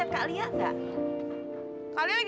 tunggu dulu pak